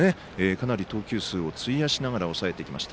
かなり投球数を費やしながら、抑えてきました。